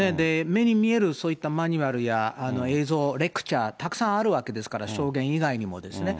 目に見えるそういったマニュアルや映像、レクチャー、たくさんあるわけですから、証言以外にもですね。